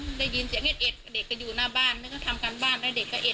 แต่พอเห็นว่าเหตุการณ์มันเริ่มเข้าไปห้ามทั้งคู่ให้แยกออกจากกัน